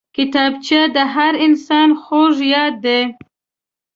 کتابچه د هر انسان خوږ یاد دی